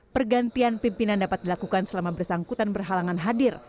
pergantian pimpinan dapat dilakukan selama bersangkutan berhalangan hadir